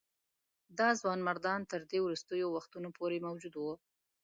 دا ځوانمردان تر دې وروستیو وختونو پورې موجود وه.